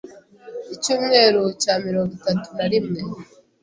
Icyumweru cya mirongo itatu na rimwe